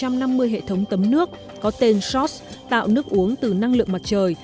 cơ quan năng lượng tái tạo australia có tên shots tạo nước uống từ năng lượng mặt trời